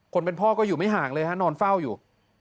คนเป็นพ่อก็อยู่ไม่ห่างเลยฮะนอนเฝ้าอยู่